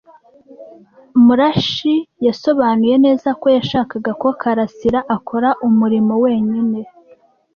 Murashyi yasobanuye neza ko yashakaga ko Kalarisa akora umurimo wenyine.